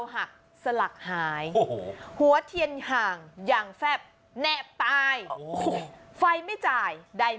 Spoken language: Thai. ไปเราอยู่ด้วยกันแล้วพอถึงเวลาร่วมกันเราอยู่เออ